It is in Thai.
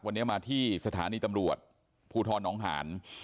วันนี้มาที่สถานีตำรวจภูทรน้องหาน